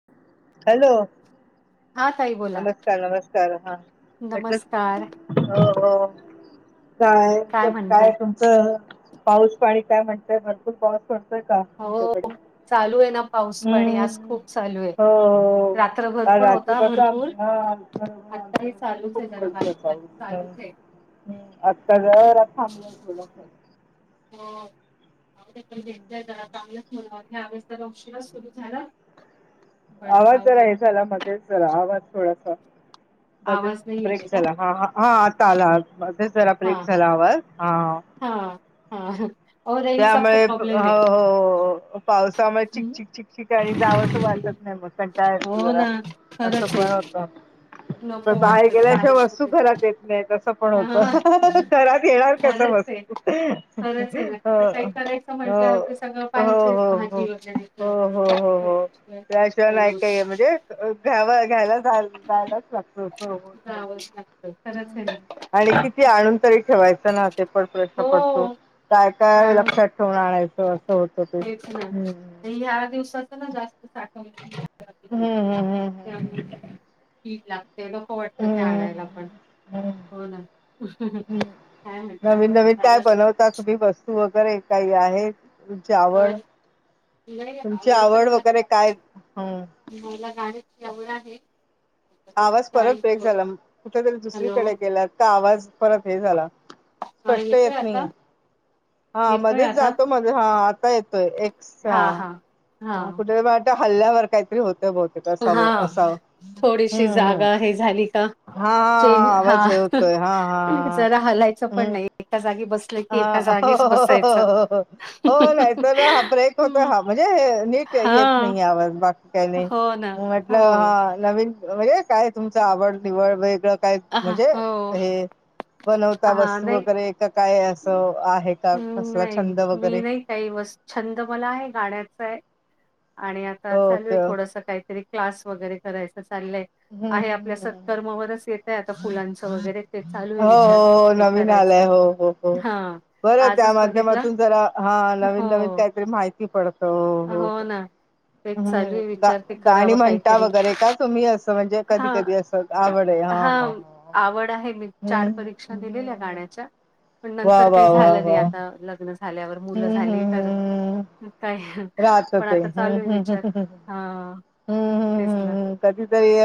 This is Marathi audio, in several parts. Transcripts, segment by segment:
[inaudible] हॅलो! हा ताई बोला. नमस्कार! नमस्कार! हा म नमस्कार. हो हो, काय कस काय तुम च पाऊस पाणी काय म्हणतय भरपूर पाऊस. करतय का हो तुमच्याकडे, चालू आहे ना पाऊस पाणी आज हम्म. खूप चालू आहे. हो रात्रभर काल पण रात्री [unintelligible] होता भरपूर हा आमच्या. आत्ताही चालूच खूप आहे जरा पडत बारीक बारीक चालूच आहे. [unintelligible] आत्ता जरा थांबलाय थोडा. होण [inaudible] [unintelligible] अस्ला उशिरा सुरू झाला. पण आवाज जाऊ जरा दे. हे आ- झाला मध्येच जरा आवाज थोडासा. मध्येच आवाज नाही ब्रेक येते का? झाला हा हा आता आला मध्येच जरा ब्रेक हा हा झाला आवाज, हा. हा हा. अहो रेंजचा खूप त्यामुळे प्रॉब्लेम आहे. हो पावसामुळे हम्म. चिकचिक-चिकचिक आणि जावं असं वाटत नाही मग. कंटाळ येतो हो जरा ना असं खरंच आहे. पण होत. पण नको बाहेर वाटतं ते गेल्या अशा बाहेर वस्तू कुठे घरात येत नाही तसं पण होत हा [unintelligible] घरात येणार कस मस. [inaudible] खरंच हे ना. काही करायचं हो म्हटलं की सगळं पाहिजेच हो हो हो भाजी वगैरे हो हो तर हो त्या. त्याशिवाय नाही काय म्हणजे घ्यावा घ्यायला जायलाच लाग. आवच लागत खरंच आहे ना. आणि किती त्याच्यात आणून तरी ठेवायचं ना ते पण प्रश्न हो पडतो. काय काय आळू लक्षात ठेवून आणायच अस होत ते. हम्म. या दिवसाचं ना जास्त साठवलं हम्म हम हम ह. ती लागते ग [unintelligible] वाटत ते हम्म आणायला पण. हम्म. हो ना, हम्म काय नवीन नवीन [inaudible] [unintelligible] काय बनवता तुम्ही बस तु वगैरे काही आहे. तुमची अ आवड, नाही तुमची आवडतं ना आवड मला वगैरे काय? हम्. मला गाण्याची आवड आहे. आता ते आवाज परत गाणी ब्रेक झाला कुठ तरी हॅलो दुसरीकडे गेलात का आवाज परत हे झाला. हा स्पष्ट येतोय येत आता? नाहीये हा येतोय मध्येच आता जातो मग हा आता येतोय एक्सा हा हा हा कुठे त्या हल्ल्यावर काहीतरी होत बहुतेक हा असावं-असा. थोडीशी जागा हे झाली का, हा हा चेंज आवाज हा हे होतोय हा हा जरा हालाय. पण हम्म. नाही एका जागी बस हा [unintelligible] हो नाही तर हा ब्रेक होतो हम्म हा म्हणजे हे नीट काही हा येत नाही आवाज, बाकी काही नाही, हो ना म्हटलं हो हा नवीन, हे काय तुमच आवड निवड, वेगळं काय? हां, म्हणजे हो हे बनवता हा वस्तू नाही वगैरे, का काय अस आहे का हम्म कसला नाही छंद मी वगैरे? नाही काही वस्, छंद मला आहे गाण्याचा ए आणि आता चालू आहे ओके थोडस काहीतरी क्लास वगैरे करायच चाललंय ए, हम्म आहे आपल्या हम्म हम्म. सत्कर्मावरच येतय आता फुलांचं वगैरे ते चालू आहे हो हो विचार हो ते नवीन करायचा. आलंय हो हो हो हां, बरं. त्या आजच बघितला. माध्यमातून जरा, हा, हो, नवीन नवीन काहीतरी माहिती पडत, हो तेच चालू आहे हम्म, विचार ते गाणी करावं म्हणता काहीतरी. वगैरे का तुम्ही? असं म्हणजे कधी कधी असं आवड हा, आवड आहे, मी हम्म चार हम्म परीक्षा दिलेल्या हम्म. गाण्याच्या. पण वा नंतर वा काही वा झालं नाही वा आता, लग्न झाल्यावर मुलं हम्म झाली तर, काय राहतं पण ते, आता हम्म चालू आहे हम्मम्मम्म विचार. हम्म हां, हम्म हम्म तेच ना. हम्म कधीतरी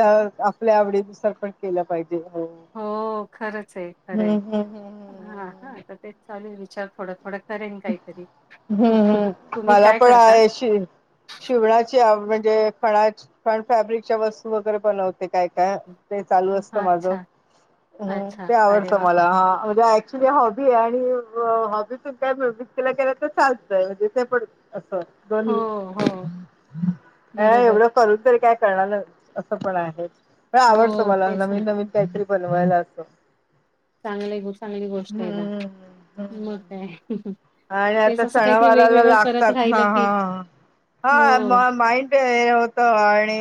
आपल्या आवडीनुसार पण केलं पाहिजे. हो हम्म हो, खरंच ए, खरं ए, हम्म हम्म हम्म हा हा हम्म. आता तेच चालू ए विचार थोडा थोडा करेन काहीतरी, हम्म हम्म तुम्ही मला काय पण करता? आहे शि शिवणाची आव म्हणजे ख खण फॅब्रिकच्या वस्तू वगैरे बनवते ते काय काय, ते चालू असत माझ, अच्छा, अच्छा. ते अरे आवडतं वाह! मला, हा म्हणजे अक्तुअली हॉबी ए आणि हॉबी प काय विकतीला केला तर चालतंय म्हणजे ते पण असं हो, दोन्ही, हो. अ बरोबर. एवढं करून तरी काय करणार ना अस पण आहे, हो आवडतं मला तेच ना नवीन नवीन काहीतरी बनवायला असतो. चांगलं ए ग, चांगली गोष्ट ए ना हम्म हम्म हम्म मग काय? आणि तेच आता असं काहीतरी सणावाराला वेगवेगळं करत लागतात ना, राहिलं की हा हो, हा, म माईंड हे होत आणि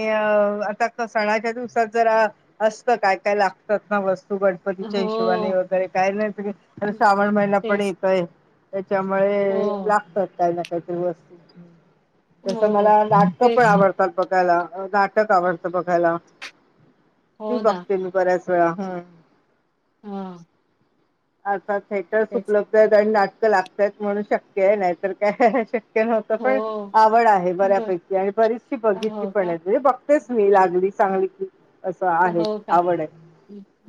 आता सणाच्या दिवसात जरा असत, काय काय लागतात ना वस्तूपण गणपतीच्या हिशोबाने हो वगैरे, काय नाय, श्रावण महिना पण तेच येतोय. त्याच्यामुळे हो, लागतात काही ना काही ते वस्तू तसं हो मला नाटक पण तेच आवडतात बघायला, नाटक आवडतं बघायला. ती हो ना बघते मी बऱ्याच वेळा, हम्म. हम आता थिएटर्स उपलब्ध ए आणि नाटकं लागतयत म्हणून शक्य ए, नाहीतर काय? पण हो आवड आहे बर बऱ्यापैकी आणि बरीचशी बघितली हो पण का? म्हणजे बघ तेच मी लागली चांगली की असं आहे, हो का? आवड ए.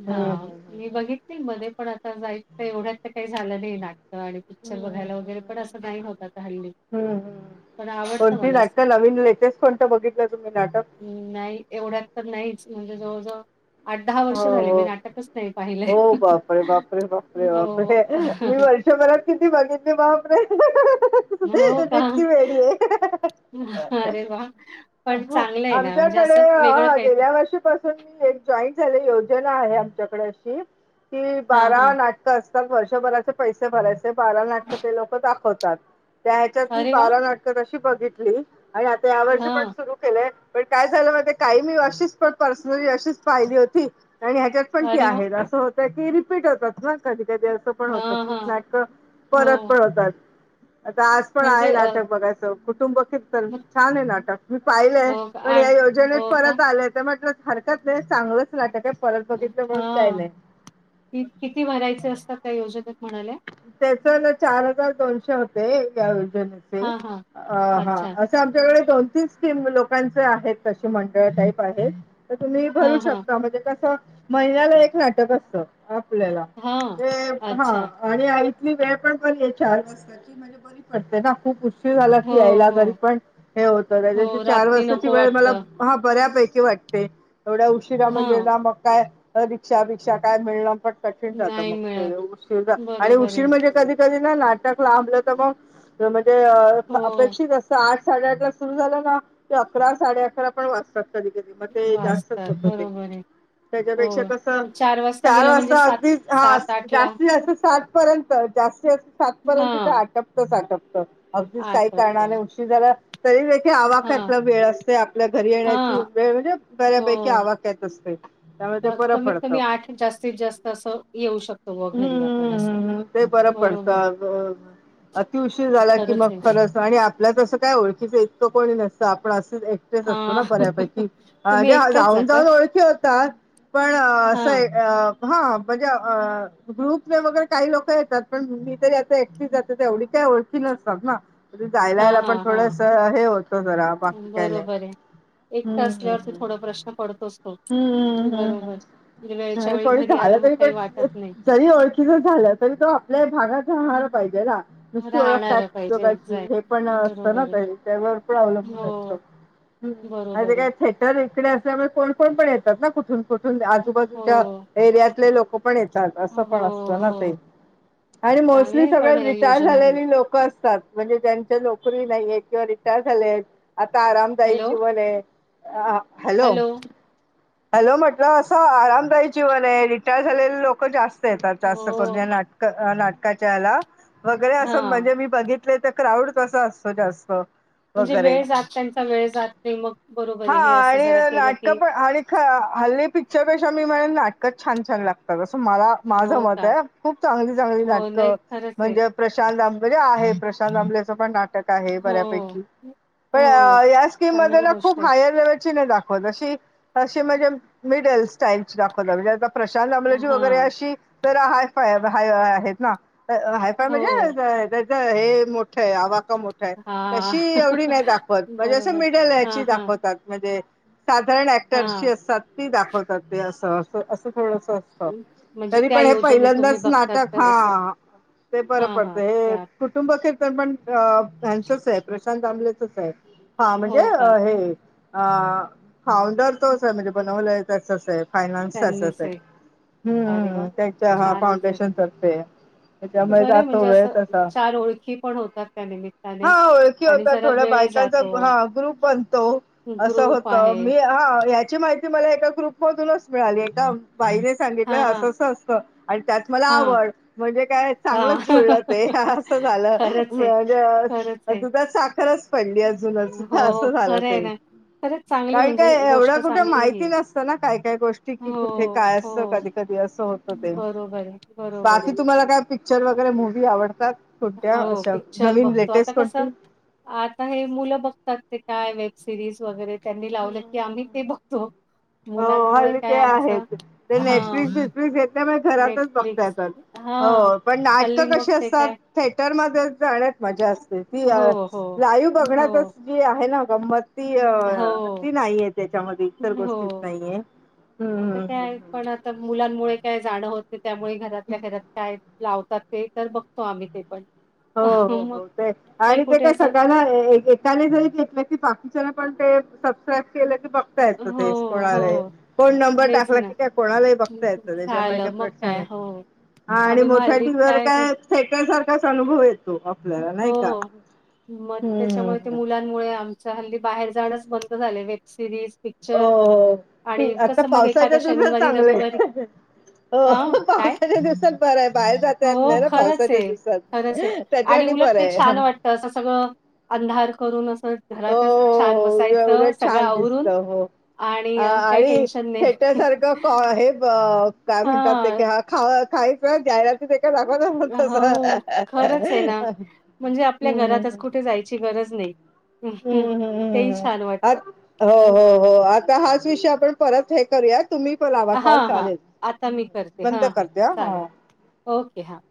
हां मी बघितली मध्ये पण आता जायच एवढ्यात तर काही झालं नाही नाटकं आणि पिक्चर हम्म बघायला वगैरे पण असं नाही होत आता हल्ली. हम्म, हम्, पण आवडतं कोणती मला असं. नाटकं नवीन लेटेस्ट कोणतं बघितलं तुम्ही नाटक? हम्, नाही एवढ्यात तर नाहीच म्हणजे जवळजवळ आठ दहा वर्ष झाली हो मी नाटकच नाही पाहिले, हो हो बापरे हो शमरात किती बघितली बापरे हो का? इतकी वेडी ए. अरे वाह! पण चांगलं आहे ना म्हणजे आमच्याकडे असं वेगळं काहीतरी गेल्या वर्षी पासून एक जॉइंट झालेली योजना आहे आमच्याकडे अशी, की हां, बारा हां. नाट असतात वर्षभराचे पैसे भरायचे, बारा नाटक ते लोक दाखवतात. त्या ह्याच्यात मी अरे वाह! बारा नाटक तशी बघितली आणि आता या वर्षी पण हां. सुरू पण काय झालं माहिती, काही मी अशीच पर्सनली अशीच पाहिली होती आणि ह्याच्या पण ते अरे वाह! आहेत असं होत की रिपीट होतात. कधी कधी असं पण होतं हां, की हां. नाटकं परत हो. पण होतात. आता आज पण आहे म्हणजे अ, नाटक बघायचं कुटुंब कीर्तन मग छान आहे नाटक. मी पाहिलंय हो का? पण या आणि योजनेत हो का? परत आलंय ते म्हटलं हरकत नाही चांगलंच नाटक आहे परत अ, बघितलं म्हणून काही हां. नाही. किती भरायचे असतात त्या योजनेत म्हणाल्या? त्याच ना चार हजार दोनशे होते या योजनेचे हां, हां. आ अच्छा. हां तर आमच्याकडे दोन तीन स्कीम लोकांचे आहेत तशी मंडळ टाईप आहेत. तर तुम्ही भरू हां, हां. शकता म्हणजे कसं महिन्याला एक नाटक असतं. आपल्याला हां. ते हां अच्छा. आणि आ इथली वेळ पण बरी आहे चार वाजताची म्हणजे बरी पडते ना खूप उशी उशीर झाला की हो, यायला हो. घरी पण हे होत हो त्यापेक्षा चार रात्री वाजताची नको वेळ मला वाटत हां बऱ्यापैकी वाटते एवढा उशिरा हा म्हणजे ना मग काय रिक्षा बिक्षा काय मिळणं पण कठीण जातं नाही मग ते मिळत उशीर आणि बरोबर उशीर आहे. कधी कधी ना नाटक लांबल तर मग खरं म्हणजे अ हो अपेक्षित असत आठ साडेआठ ला सुरू झालं ना ते अकरा साडे अकरा पण वाजतात कधी कधी मग ते जास्तच वाचतात होत ते बरोबर आहे त्याच्यापेक्षा कसं हो चार गेलं म्हणजे वाजता सात अगदी हां सात आठ ला जास्ती जास्त सात पर्यंत जास्तीत जास्त हा सातपर्यंत ते आटपतच आटपत. अगदीच आठ काही वाजता कारणाने उशीर झाला तरीदेखील हा आवाक्यातला वेळ असते आपल्या घरी येण्याची हा वेळ म्हणजे बऱ्यापैकी आवाक क्यात असते. त्यामुळे ते तर बरं कमीत पडतं कमी आठ जास्तीत जास्त असं येऊ शकतो व घरी आपण. असं ह ते बरं बरोबर आहे पडतं अतिउशीर झाला की मग खरंच आणि आपल्यात अस काय ओळखीचं इतकं कोणी नसतं आपण असंच एक टेच असतो हा ना बऱ्यापैकी तुम्ही म्हणजे एकट्याच जाऊन जातात जाऊन ओळखी होतात. पण हा अस हां म्हणजे अ ग्रुपने वगैरे काही लोकं येतात पण मी तरी आता एकटी जाते तर एवढी काही ओळखी नसतात ना! तर ते जायला हा ययाला हा पण हा थोडसं हे होतं जरा बाकी काय नाही. बरोबर आहे एकटं हम्म हम्म असल्यावरती हम्म थोडा प्रश्न पडतोच तो हम्म, हम्म हम्म बरोबर. हम्म हम्म. म्हणजे वेळच्या नाही वेळी थोडी घरी झालं आलं मग तरी काही पण वाटत नाही. जरी ओळखीचं झालं तरी तो आपल्या भागात राहणार पाहिजे ना नुसती ओळख काय राहणारं पाहिजे उपयोगाची हे एक्झॅक्ट पण असतं ना बरोबर आहे. काही, त्यावर पण अवलंबून असत. हो, हम्म आता बरोबर काय आहे. फॅ क्टर इकडे असल्यामुळे कोण कोण पण येतात ना कुठून कुठून आजूबाजूच्या हो, एरियातले लोकं पण येतात असं हो, पण अस त ना ते हो. आणि चांगलं मोस्टली आहे पण सगळे रिटायर योजना ही. झालेली लोकं असतात. म्हणजे ज्यांच्या नोकरी नाहीये किंवा रिटायर झाले आहेत आता आरामदायी हॅलो, जीवन आहे. अ हॅलो हॅलो म्हटलं असं आरामदायक जीवन आहे रिटायर झालेले लोकं जास्त येतात असं या हो, नाटकाच्या याला वगैरे असं हां. म्हणजे मी बघित ले ते क्राउड कस असतो जास्त म्हणजे वगैरे वेळ जात त्यांचा वेळ जात नाही मग बरोबर आहे हा हे असं आणि जरा केलं नाटकं की पण आणि हल्ली पिक्चर पेक्षा मी म्हणेन नाटकच छान छान लागत तात तर मला माझं हो मत का? आहे खूप चांगली चांगली हो, नाही नाटकं खरंच आहे. म्हणजे प्रशांत आंबले आहे प्रशांत आंबलेचं पण नाटक आहे हो, बऱ्यापैकी पण हो. या स्कीम मध्ये चांगली ना गोष्ट खूप आहे. हायर लेव्हलची नाही दाख वत अशी अशी म्हणजे मिडल स्टाईल ची दाखवतात म्हणजे आता प्रशांत आंबलेची वगैरे हां, अशी तर हाय फाय हाय आहेत ना. हायफाय हो. म्हणजे त्याच हे मोठं आहे आवाका मोठ आहेत हां. तशी एवढी नाही दाखवत म्हणजे असं बरोबर. मिडल हेची हां, हां. दाखवतात म्हणजे साधारण ऍक्टर्स ची हां, असतात ती दाखवतात ते अस अस असं थोडस म्हणजे तरी त्या पण हे योजनेत तुम्ही पहिल्यांदाच बघतात नाटक तर असं हां ते बरं हां, हां, पडतं हे त्या कुटुंब कीर्तन पण ह्यांचच आहे प्रशांत आंबलेचच आहे. हां म्हणजे हो का? हे अ फाउंडर तोच आहे म्हणजे बनवलाय तसंच आहे फायनान्स असच आहे अरे वाह! त्यांच्या हां छानच आहे. फाउंडेशन तर्फे आहे ते त्याच्यामुळे बरं आहे जातो म्हणजे वेळ असं तसा, ओळखी पण होतात त्या निमित्ताने हां ओळखी आणि होताात जरा थोड्या वेळ बायकां च जातो. हां ग्रुप बनतो असं ग्रुप होत. आहे. मी हां याची माहिती मला एका ग्रुपमधूनच मिळाली एका बाईने सांगितलंय हां, हां, असं असं असतं. आणि त्यात मला हां, आवड म्हणजे काय हां. चांगलंच जुळलं ते असं झालं खरंच आहे, म्हणजे खरंच मग आहे. दुधात साखरच पडली. अजूनच हो, असं झालं खरं आहे ते ना. खरंच चांगली काही म्हणजे काय एवढं गोष्ट कुठे चांगली ही. माहिती नसतं ना काय काय गोष्टी, की कुठे हो, काय हो. असतं कधी कधी असं होत ते बरोबर बरोबर आहे. मला काय पिक्चर वगैरे मूवी आवडतात कोणत्या हो, अशा पिक्चर नवीन बघतो. आता लेटेस्ट कसं कोणती? आता हे मुलं बघतात ते काय वेब सिरीज वगैरे त्यांनी लावलं की आम्ही हम्म ते बघतो. हो मुलांमुळे हल्ली काय ते आमचं आहेत ते हा नेटफ्लिक्स बीटफ्लिक्स येत त्यामुळे घरातच बघता नेटफ्लिक्स येतात, हा. हो पण हल्ली नाटकं मग कशी ते असतात? काय थेटर मध्ये जाण्यात मजा असते ती हो, हो, लाईव्ह हो, बघण्यातच जी आहे ना गंमत ती अ हो. ती नाहीये त्याच्यामध्ये इतर गोष्टीत हो. नाहीये हम्म हम्म हम्म हम्म तर मुलांमुळे काय जाणं होतं नाही त्यामुळे घरातल्या घरात काय लावतात ते तर बघतो आम्ही ते पण हो हो मग हो ते काही आणि ते कुठे काय असं सगळ्यांना एक एक त्याने जरी घेतलं की बाकीच्याना पण ते सबस्क्राईब केलं क बघता येतं हो, तेच कोणालाही हो. फोन नंबर तेच टाकला ना की काय कोणालाही हं, बघता हं. येतं त्याच्यामुळे झालं काय मग प्रश्न नाही. हो हां आणि आम्ही मग मोठ्या हल्ली टीव्हीवर ते काय थिएटर सारखंच अनुभव येतो आपल्याला नाही का हो. मग हम्म त्याच्यामुळे ते हम्म मुलांमुळे आमच हल्ली बाहेर जाणच बंद झालंय वेबसिरीज हो हो ती आता पावसाच्या एखाद्या दिवसात शनिवारी चांगलं रविवारी आहे. हो हा काय पावसाच्या दिवसात बरं आहे बाहेर जाता येत हो नाही ना खरंच पावसाच्या आहे दिवसात त्याच्यासाठी बरं आहे. तर अस सगळं अंधार करून असं घरातच छान बसायचं उलट सगळं छान दिसत आवरून हो आणि काही आणि टेन्शन नाही. अ काय म्हणतात ते हा खा-खायच जाया ते एका दाखवतात तसं हो खरंच आहे ना हम्म हम्म हम्म. ची गरज नाही हम्म तेही हम्म छान आ वाटतं. हो हो हो आता हाच विषय आपण परत हे करूयात. तुम्ही तो कॉल लावा हां, हां. चालेल, आता मी हम. करते. बंद हां, हां. करते चालेल. हां. ओके, हा.